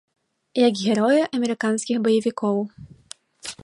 Як героі амерыканскіх баевікоў.